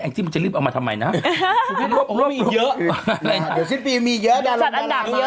แอ็งซิมมันจะลืมเอามาทำไมนะมีเยอะเดี๋ยวสิ้นปีมีเยอะจัดอันดับเยอะ